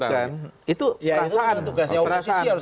bukan itu perasaan